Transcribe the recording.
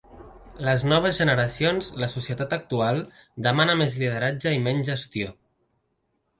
Les noves generacions, la societat actual, demana més lideratge i menys gestió.